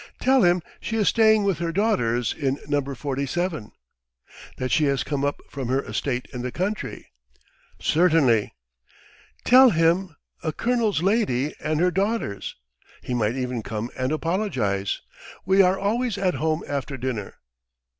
... Tell him she is staying with her daughters in No. 47 ... that she has come up from her estate in the country. ..." "Certainly." "Tell him, a colonel's lady and her daughters. He might even come and apologize. ... We are always at home after dinner.